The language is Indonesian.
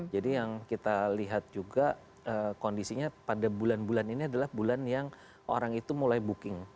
yang kita lihat juga kondisinya pada bulan bulan ini adalah bulan yang orang itu mulai booking